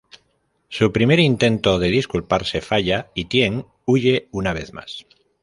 Su primer intento de disculparse falla y Tien huye una vez más.